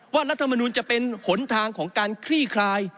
รัฐมนุนจะเป็นหนทางของการคลี่คลาย